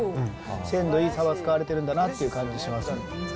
鮮度いいサバ、使われてるんだなっていう感じします。